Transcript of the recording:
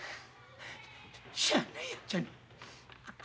しゃあないやっちゃな。